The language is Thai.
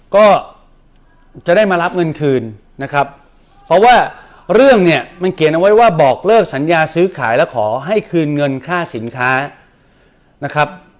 ก็จะได้มารับเงินคืนนะครับเพราะว่าเรื่องเนี่ยมันเขียนเอาไว้ว่าบอกเลิกสัญญาซื้อขายแล้วขอให้คืนเงินค่าสินค้านะครับ